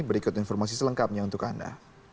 berikut informasi selengkapnya untuk anda